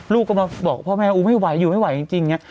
ลูกก็มาบอกพ่อแม่อู๋ไม่ไหวอยู่ไม่ไหวจริงเนี่ย